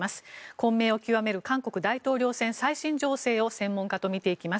混迷を極める韓国大統領選最新情勢を専門家と見ていきます。